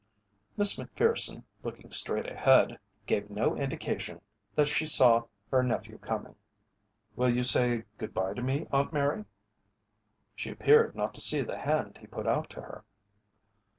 Miss Macpherson, looking straight ahead, gave no indication that she saw her nephew coming. "Will you say good bye to me, Aunt Mary?" She appeared not to see the hand he put out to her.